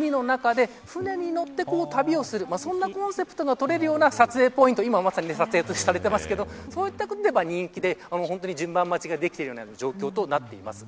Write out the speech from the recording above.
このピンク色の海の中で舟に乗って旅をするそんなコンセプトで撮れるような撮影ポイント、今まさに撮影されていますが順番待ちができている状況となっています。